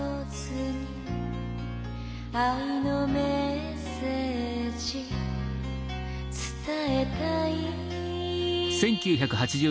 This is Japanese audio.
「愛のメッセージ伝えたい」